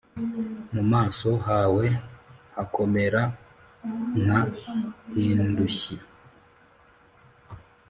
Mu maso hawe hakomera nka hindushyi